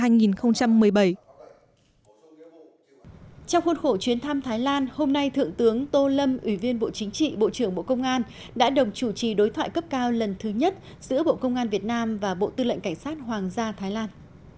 trong khuôn khổ chuyến thăm thái lan hôm nay thượng tướng tô lâm ủy viên bộ chính trị bộ trưởng bộ công an đã đồng chủ trì đối thoại cấp cao lần thứ nhất giữa bộ công an việt nam và bộ tư lệnh cảnh sát hoàng gia thái lan